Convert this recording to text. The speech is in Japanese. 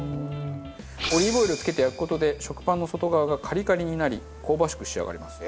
オリーブオイルをつけて焼く事で食パンの外側がカリカリになり香ばしく仕上がります。